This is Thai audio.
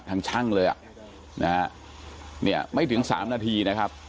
ช่างเลยอ่ะนะฮะเนี่ยไม่ถึงสามนาทีนะครับ